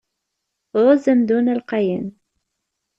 Ɣez amdun alqayan.